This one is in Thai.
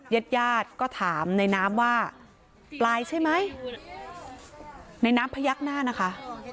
ญาติญาติก็ถามในน้ำว่าปลายใช่ไหมในน้ำพยักหน้านะคะ